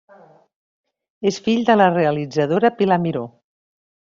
És fill de la realitzadora Pilar Miró.